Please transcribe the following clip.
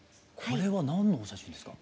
これは何のお写真ですか？